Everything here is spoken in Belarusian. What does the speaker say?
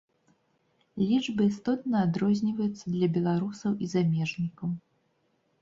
Лічбы істотна адрозніваюцца для беларусаў і замежнікаў.